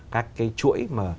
các cái chuỗi mà